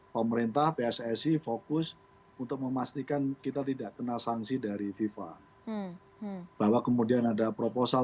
pemerintah pssi fokus untuk memastikan kita tidak kena sanksi dari fifa bahwa kemudian ada proposal